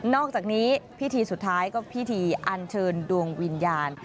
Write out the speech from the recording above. อกจากนี้พิธีสุดท้ายก็พิธีอันเชิญดวงวิญญาณ